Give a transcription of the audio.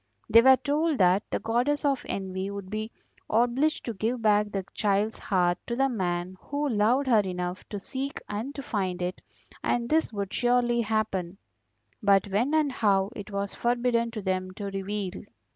They were told that the Goddess of Envy would be obliged to give back the child's heart to the man who loved her enough to seek and to find it, and this would surely happen; but when and how it was forbidden to them to reveal.